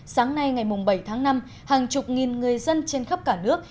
sáng nay ngày bảy tháng năm hàng chục nghìn người dân trên khắp cả nước